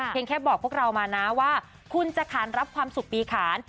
แค่บอกพวกเรามานะว่าคุณจะขานรับความสุขปีขาน